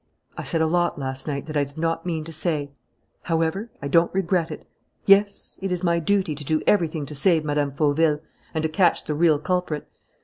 "I said a lot last night that I did not mean to say. However, I don't regret it. Yes, it is my duty to do everything to save Mme. Fauville and to catch the real culprit.